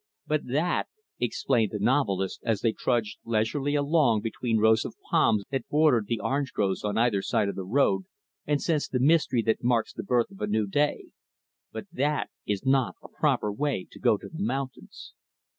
"But that" explained the novelist, as they trudged leisurely along between rows of palms that bordered the orange groves on either side of their road, and sensed the mystery that marks the birth of a new day "but that is not a proper way to go to the mountains.